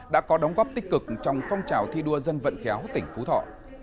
đã có đóng góp tích cực trong phong trào thi đua dân vận khéo tỉnh phú thọ